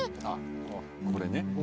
これね。